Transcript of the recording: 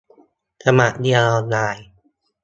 สมัครเรียนออนไลน์